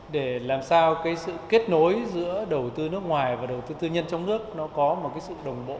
để làm sao cái sự kết nối giữa đầu tư nước ngoài và đầu tư tư nhân trong nước nó có một sự đồng bộ